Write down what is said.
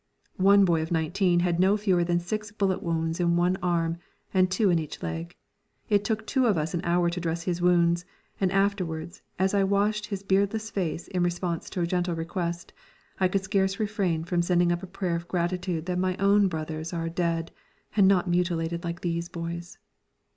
One boy of nineteen had no fewer than six bullet wounds in one arm and two in each leg. It took two of us an hour to dress his wounds, and afterwards, as I washed his beardless face in response to a gentle request, I could scarce refrain from sending up a prayer of gratitude that my own brothers are dead and not mutilated like these boys.